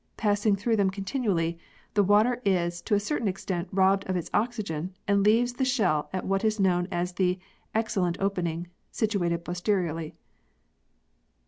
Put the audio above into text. Passing through them continually, the water is to a certain extent robbed of its oxygen and leaves the shell at what is known as the exhalent opening, situated posteriorly.